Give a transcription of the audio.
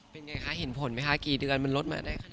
เป็นไงคะเห็นผลไหมคะกี่เดือนมันลดมาได้ขนาดนี้